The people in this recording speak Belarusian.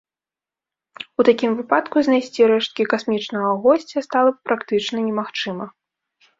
У такім выпадку знайсці рэшткі касмічнага госця стала б практычна немагчыма.